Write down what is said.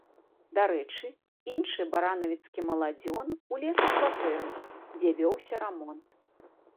Дарэчы, іншы баранавіцкі маладзён улез у кватэру, дзе вёўся рамонт.